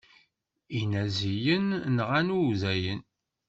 Inaziyen nɣan udayen.